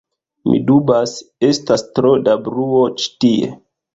Mi dubas, estas tro da bruo ĉi tie